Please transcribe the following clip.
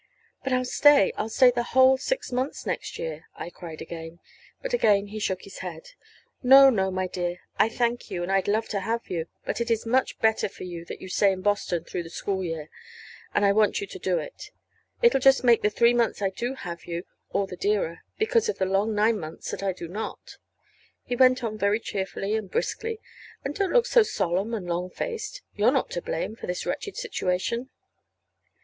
"But I'll stay I'll stay the whole six months next year!" I cried again. But again he shook his head. "No, no, my dear; I thank you, and I'd love to have you; but it is much better for you that you stay in Boston through the school year, and I want you to do it. It'll just make the three months I do have you all the dearer, because of the long nine months that I do not," he went on very cheerfully and briskly; "and don't look so solemn and long faced. You're not to blame for this wretched situation."